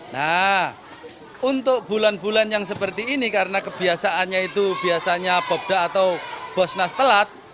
nah untuk bulan bulan yang seperti ini karena kebiasaannya itu biasanya bobda atau bosnas telat